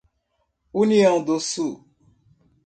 União do Sul